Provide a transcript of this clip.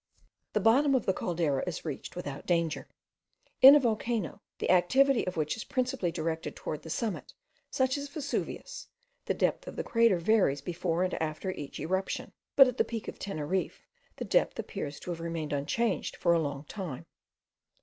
The bottom of the Caldera is reached without danger. In a volcano, the activity of which is principally directed towards the summit, such as Vesuvius, the depth of the crater varies before and after each eruption; but at the peak of Teneriffe the depth appears to have remained unchanged for a long time.